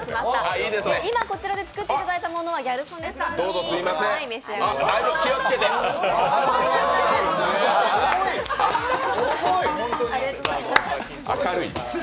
今こちらで作っていただいたものはギャル曽根さんに召し上がっていただきます。